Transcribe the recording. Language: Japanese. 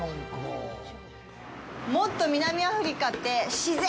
もっと南アフリカって自然！